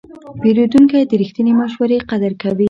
پیرودونکی د رښتینې مشورې قدر کوي.